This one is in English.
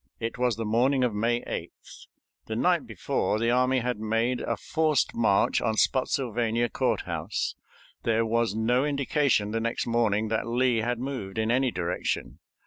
It was the morning of May 8th. The night before the army had made a forced march on Spottsylvania Courthouse. There was no indication the next morning that Lee had moved in any direction.